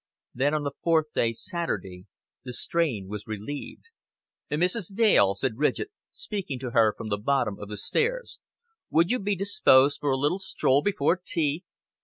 Then on the fourth day, Saturday, the strain was relieved. "Mrs. Dale," said Ridgett, speaking to her from the bottom of the stairs, "would you be disposed for a little stroll before tea?"